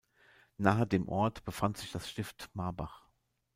Nahe dem Ort befand sich das Stift Marbach.